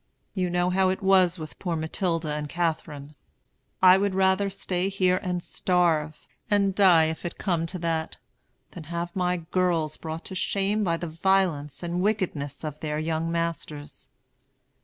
You know how it was with poor Matilda and Catherine. I would rather stay here and starve and die, if it come to that than have my girls brought to shame by the violence and wickedness of their young masters.